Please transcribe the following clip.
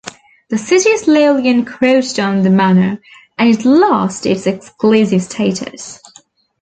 The city slowly encroached on the manor and it lost its exclusive status.